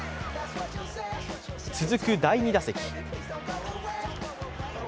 続く第２打席。